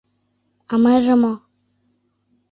А мыйже мо?